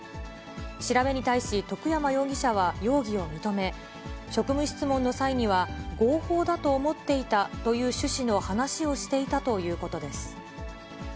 調べに対し、徳山容疑者は容疑を認め、職務質問の際には、合法だと思っていたという趣旨の話をしていたということです。